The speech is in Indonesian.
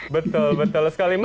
betul betul sekali mbak